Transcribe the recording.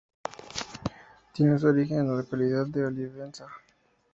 Tiene su origen en la localidad de Olivenza.